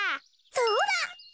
そうだ！